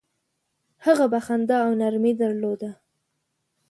هغه به خندا او نرمي درلوده.